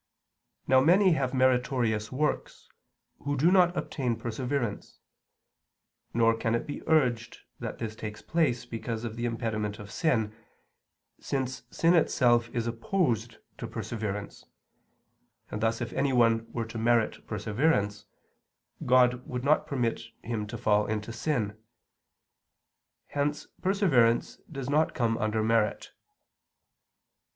Now many have meritorious works, who do not obtain perseverance; nor can it be urged that this takes place because of the impediment of sin, since sin itself is opposed to perseverance; and thus if anyone were to merit perseverance, God would not permit him to fall into sin. Hence perseverance does not come under merit.